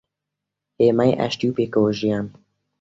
هێمای ئاشتی و پێکەوەژیان